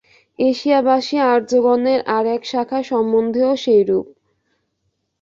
এশিয়াবাসী আর্যগণের আর এক শাখা সম্বন্ধেও সেইরূপ।